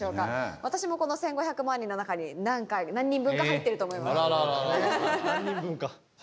私もこの１，５００万人の中に何人分か入っていると思います。